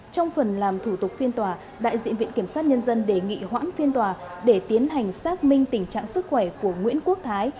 trong phần làm thủ tục phiên tòa đại diện viện kiểm sát nhân dân đề nghị hoãn phiên tòa để tiến hành xác minh tình trạng sức khỏe của nguyễn quốc thái